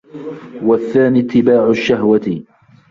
وَالثَّانِي اتِّبَاعُ الشَّهْوَةِ